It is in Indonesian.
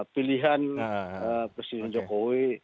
pilihan presiden jokowi